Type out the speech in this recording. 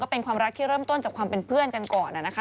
เป็นความรักที่เริ่มต้นจากความเป็นเพื่อนกันก่อนนะคะ